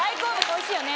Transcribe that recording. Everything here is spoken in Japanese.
おいしいよね。